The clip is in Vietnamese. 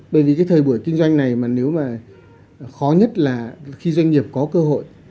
bởi vì cái thời buổi kinh doanh này mà nếu mà khó nhất là khi doanh nghiệp có cơ hội